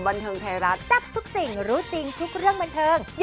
ดุดเดียวของไทย